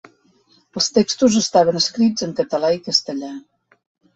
Els textos estaven escrits en català i castellà.